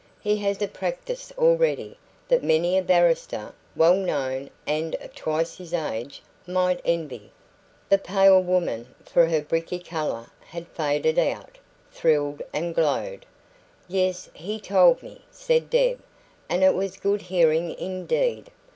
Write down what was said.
He has a practice already that many a barrister, well known and of twice his age, might envy." The pale woman for her bricky colour had faded out thrilled and glowed. "Yes, he told me," said Deb; "and it was good hearing indeed.